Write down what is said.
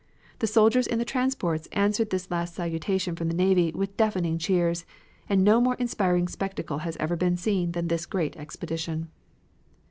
The soldiers in the transports answered this last salutation from the navy with deafening cheers, and no more inspiring spectacle has ever been seen than this great expedition.